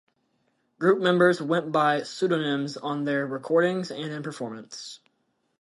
Group members went by pseudonyms on their recordings and in performance.